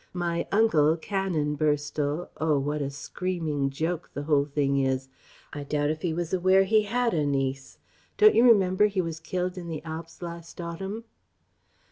My 'uncle' Canon Burstall Oh what a screaming joke the whole thing is!... I doubt if he was aware he had a niece.... Don't you remember he was killed in the Alps last autumn?..."